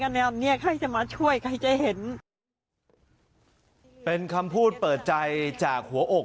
แนวเนี้ยใครจะมาช่วยใครจะเห็นเป็นคำพูดเปิดใจจากหัวอก